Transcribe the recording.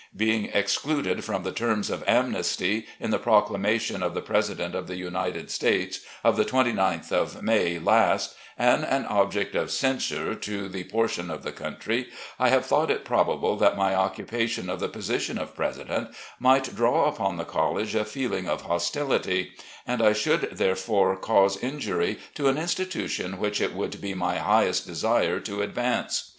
Being excluded from the terms of amnesty in the proclamation of the President of the United States, of the 29th of May last, and an object of censure to a portion of the cotmtry, I have thought it probable that my occupation of the position of president might draw upon the college a feeling of hos tility; and I should, therefore, cause injury to an institu tion which it would be my highest desire to advance.